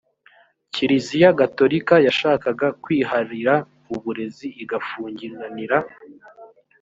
kiriziya gatorika yashakaga kwiharira uburezi igafungiranira